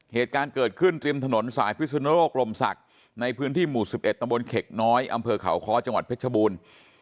เหตุการณ์เกิดขึ้นริมถนนสายพิสุนโลกลมศักดิ์ในพื้นที่หมู่๑๑ตำบลเข็กน้อยอำเภอเขาค้อจังหวัดเพชรบูรณ์